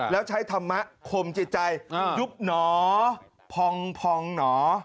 แล้วใช้ธรรมะคมจิตใจยุบหนอพองพองหนอ